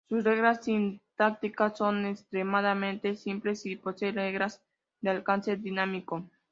Sus reglas sintácticas son extremadamente simples y posee reglas de alcance dinámico.